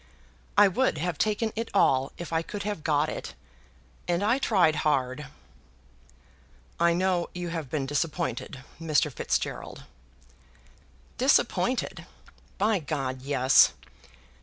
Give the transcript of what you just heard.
I would have taken it all if I could have got it, and I tried hard." "I know you have been disappointed, Mr. Fitzgerald." "Disappointed! By G ! yes.